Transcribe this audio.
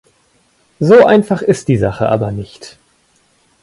So einfach ist die Sache aber nicht.